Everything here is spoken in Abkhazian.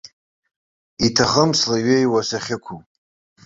Иҭахым слеиҩеиуа сахьықәу.